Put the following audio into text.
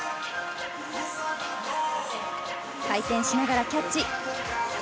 回転しながらキャッチ。